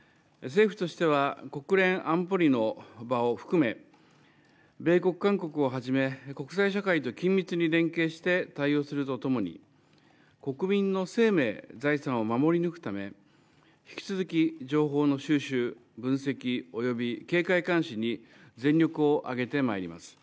政府としては国連安保理の場を含め米国、韓国をはじめ国際社会と緊密に連携して対応するとともに国民の生命、財産を守り抜くため引き続き情報の収集、分析及び警戒監視に全力を挙げてまいります。